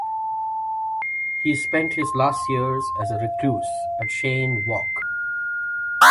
He spent his last years as a recluse at Cheyne Walk.